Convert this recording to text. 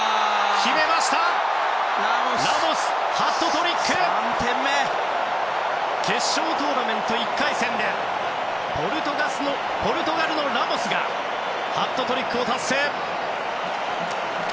決勝トーナメント１回戦でポルトガルのラモスがハットトリックを達成！